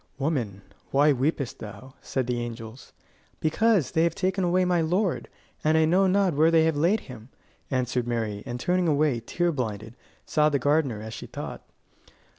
"Woman, why weepest thou?" said the angels. "Because they have taken away my Lord, and I know not where they have laid him," answered Mary, and turning away, tear blinded, saw the gardener, as she thought.